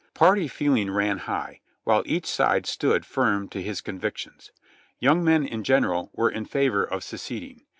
Part\ feeling ran high, while each side stcnod firm to his convictions. Young men in general were in favor of seceding.